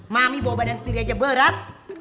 mami bawa badan sendiri aja berat